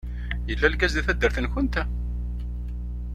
Yella lgaz deg taddart-nkent?